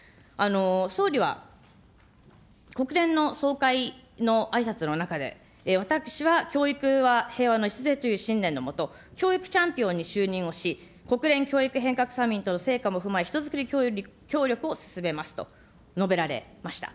総理は国連の総会のあいさつの中で、私は教育は平和の礎という信念の下、教育チャンピオンに就任をし、国連教育変革サミットの成果も踏まえ、人づくり協力を進めますと述べられました。